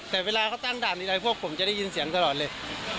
แต่เวลาเขาตั้งด่านนี้อะไรพวกผมจะได้ยินเสียงตลอดเลย